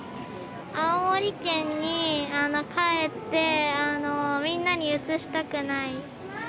青森県に帰って、みんなにうつしたくない。